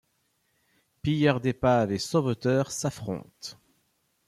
Pilleurs d'épaves et sauveteurs s'affrontent...